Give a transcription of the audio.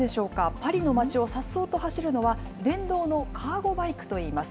パリの街を颯爽と走るのは、電動のカーゴバイクといいます。